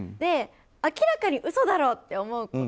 明らかに嘘だろうって思うこと。